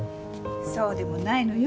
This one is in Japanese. そうでもないのよ。